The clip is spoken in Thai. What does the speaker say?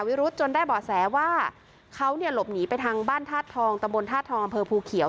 วิรุธจนได้บ่อแสว่าเขาเนี่ยหลบหนีไปทางบ้านธาตุทองตะบนธาตุทองอำเภอภูเขียว